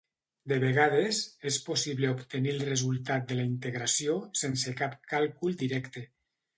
De vegades, és possible obtenir el resultat de la integració sense cap càlcul directe.